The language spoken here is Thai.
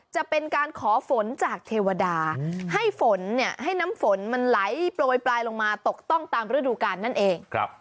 จะเป็นการขอฝนจากเทวดาให้ฝนเนี่ยให้น้ำฝนมันไหลโปรยปลายลงมาตกต้องตามฤดูกาลนั่นเอง